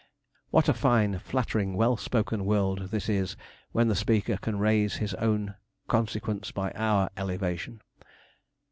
What a fine flattering, well spoken world this is, when the speaker can raise his own consequence by our elevation!